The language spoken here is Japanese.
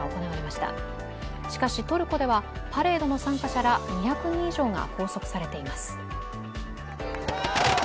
しかし、トルコではパレードの参加者ら２００人以上が拘束されています。